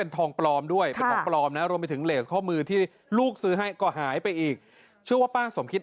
คงอย่างนั้นแหละมั้ง